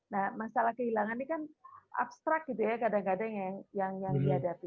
nah masalah kehilangan ini kan abstrak gitu ya kadang kadang yang dihadapi